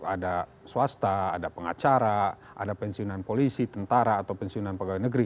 ada swasta ada pengacara ada pensiunan polisi tentara atau pensiunan pegawai negeri